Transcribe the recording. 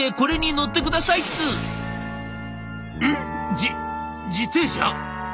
じ自転車？」。